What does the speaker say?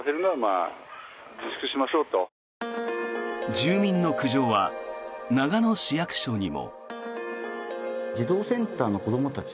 住民の苦情は長野市役所にも。